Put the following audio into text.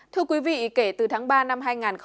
thưa quý vị kể từ tháng ba năm hai nghìn một mươi chín